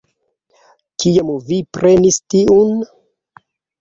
Kiam vi prenis tiun?